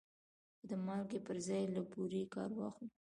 که د مالګې پر ځای له بورې کار واخلو؟